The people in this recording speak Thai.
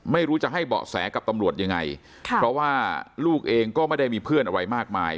ไม่รู้จะให้เบาะแสกับตำรวจยังไงค่ะเพราะว่าลูกเองก็ไม่ได้มีเพื่อนอะไรมากมาย